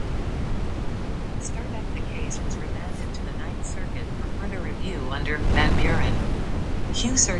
The case was remanded to the Ninth Circuit for further review under "Van Buren".